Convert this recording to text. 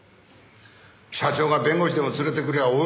社長が弁護士でも連れてくりゃ